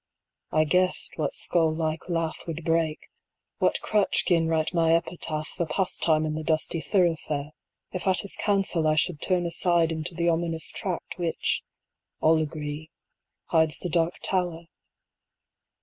I guessed what skull like laugh 10 Would break, what crutch 'gin write my epitaph For pastime in the dusty thoroughfare, If at his counsel I should turn aside Into the ominous tract which, all agree, Hides the Dark Tower.